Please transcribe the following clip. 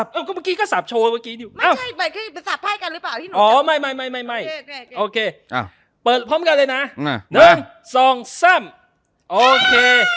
พี่สาบไห้หรือเปล่าเนี่ยเออพี่สาบคือเมื่อกี๊ลูก